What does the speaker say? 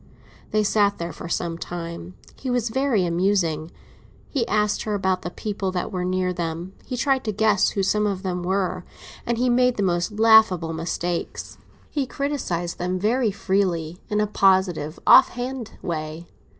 They sat there for some time. He was very amusing. He asked her about the people that were near them; he tried to guess who some of them were, and he made the most laughable mistakes. He criticised them very freely, in a positive, off hand way.